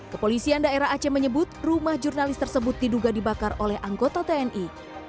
kepolisian daerah aceh menyebut rumah jurnalis tersebut diduga dibakar oleh anggota tni